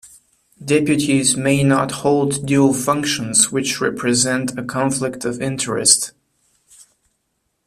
Deputies may not hold dual functions which represent a conflict of interest.